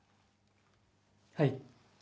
はい。